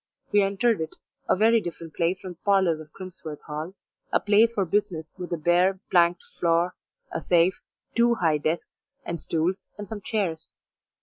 We entered it; a very different place from the parlours of Crimsworth Hall a place for business, with a bare, planked floor, a safe, two high desks and stools, and some chairs.